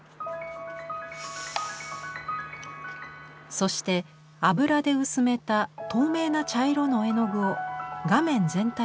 そして油で薄めた透明な茶色の絵の具を画面全体にかけていきます。